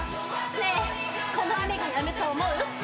ねえこの雨がやむと思う？